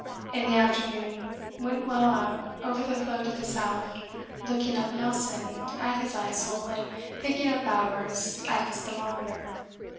In the afternoon went well out over the floe to the south, looking up Nelson at his icehole and picking up Bowers at his thermometer.